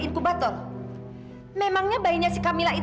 incubator memangnya bayinya si kamila